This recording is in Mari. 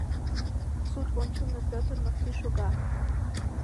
Суд ончылно Пӧтыр Макси шога.